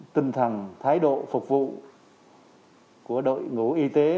tinh thần thái độ phục vụ của đội ngũ y tế